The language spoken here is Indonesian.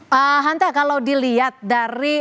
pak hanta kalau dilihat dari